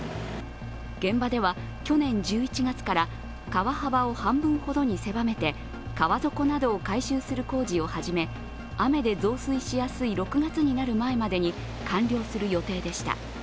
現場では去年１１月から川幅を半分ほどに狭めて川底などを改修する工事を始め雨で増水しやすい６月になる前までに完了する予定でした。